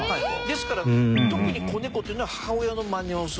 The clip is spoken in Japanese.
ですから特に子猫というのは母親のマネをする。